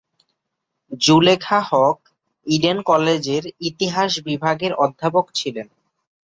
Zulekha Haque Eden কলেজের ইতিহাস বিভাগের অধ্যাপক ছিলেন।